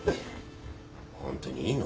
ホントにいいの？